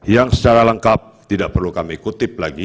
yang secara lengkap tidak perlu kami kutip lagi